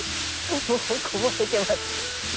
もうこぼれてます。